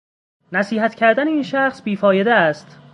نصیحت کردن این شخص بیفایده است